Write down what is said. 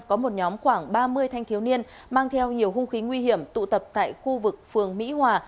có một nhóm khoảng ba mươi thanh thiếu niên mang theo nhiều hung khí nguy hiểm tụ tập tại khu vực phường mỹ hòa